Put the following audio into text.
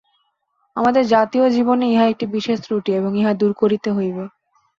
আমাদের জাতীয় জীবনে ইহা একটি বিশেষ ত্রুটি এবং ইহা দূর করিতে হইবে।